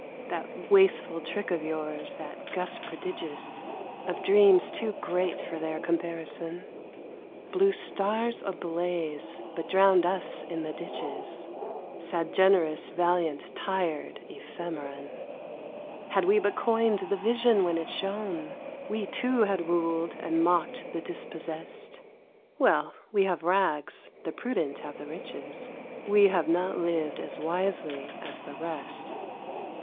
That wasteful trick of yours, that gust prodigious Of dreams too great for their comparison, Blew stars ablaze, but drowned us in the ditches. Sad, generous, valiant, tired ephemeron! Had we but coined the vision when it shone We, too, had ruled, and mocked the dispossessed. Well! we have rags, the prudent have the riches We have not lived as wisely as the rest.